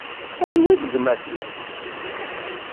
Anwa i d gma-twen?